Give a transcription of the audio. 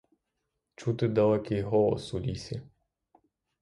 Чути далекий голос у лісі.